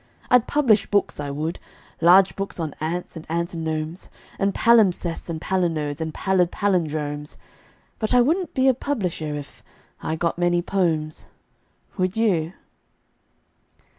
I'd publish books, I would large books on ants and antinomes And palimpsests and palinodes and pallid pallindromes: But I wouldn't be a publisher if .... I got many "pomes." Would you?